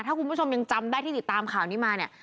ถ้าคุณผู้ชมยังจำได้ที่ติดตามข่าวนี้มาเนี่ย